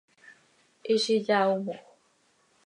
Hizi yaaomoj.